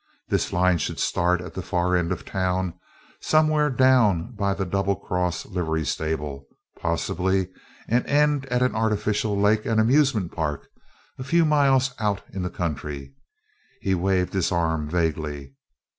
This line should start at the far end of town, somewhere down by the Double Cross Livery Stable, possibly, and end at an artificial lake and amusement park a few miles out in the country he waved his arm vaguely.